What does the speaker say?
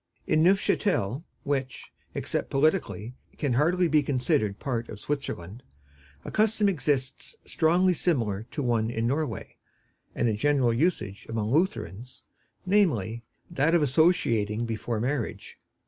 In Neufchatel, which, except politically, can hardly be considered part of Switzerland, a custom exists strongly similar to one in Norway, and a general usage among Lutherans, namely, that of associating before marriage.